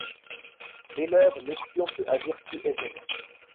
Dès lors l’espion peut agir plus aisément.